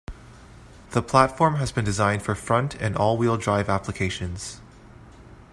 The platform has been designed for front and all-wheel drive applications.